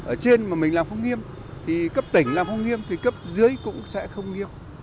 ở trên mà mình làm không nghiêm thì cấp tỉnh làm không nghiêm